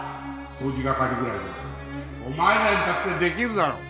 掃除係ぐらいならお前らにだってできるだろ